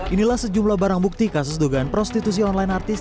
inilah sejumlah barang bukti kasus dugaan prostitusi online artis